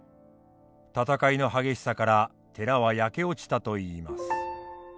戦いの激しさから寺は焼け落ちたといいます。